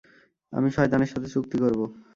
আমি শয়তানের সাথে চুক্তি করব।